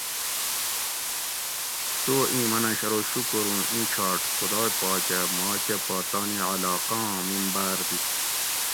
سو ایں مننش ارو شُکر اوں ایں چھاٹ خدائ پاکہ ماکہۤ پا تانی علاقاں ممبار دِت